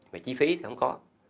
về chi phí thì không có